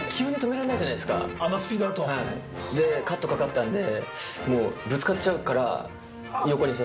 はいでカットかかったんで。